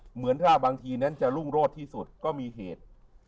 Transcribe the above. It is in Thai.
เหมือนถ้าบางทีนั้นจะรุ่งโรดที่สุดก็มีเหตุ